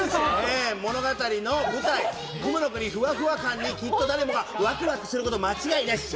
物語の舞台・雲の国のふわふわ感に、きっと誰もがワクワクすること間違いなしです。